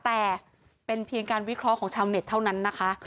แต่เป็นเพียงการวิเคราะห์ของชาวเน็ตเท่านั้นนะคะ